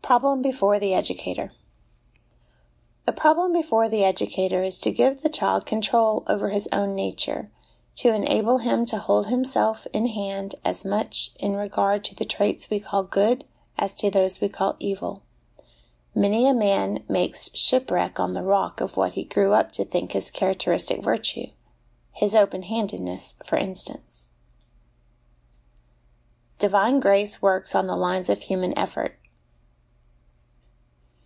Problem before the Educator. The problem before the educator is to give the child control over his own nature, to enable him to hold himself in hand as much in regard to the traits we call good, as to those we call evil : many a man makes ship wreck on the rock of what he grew up to think IO4 HOME EDUCATION his characteristic virtue his open handedness, for instance. Divine Grace works on the Lines of Human Effort.